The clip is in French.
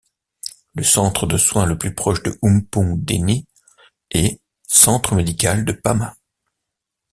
Le centre de soins le plus proche de Oumpougdéni est centre médical de Pama.